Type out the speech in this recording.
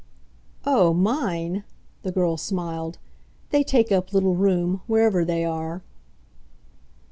"Oh, mine!" the girl smiled. "They take up little room, wherever they are."